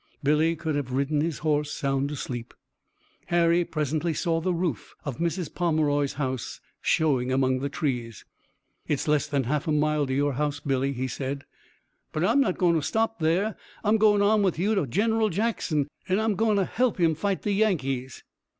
Billy could have ridden his horse sound asleep. Harry presently saw the roof of Mrs. Pomeroy's house showing among the trees. "It's less than half a mile to your house, Billy," he said. "But I'm not going to stop there. I'm goin' on with you to General Jackson, an' I'm goin' to help him fight the Yankees."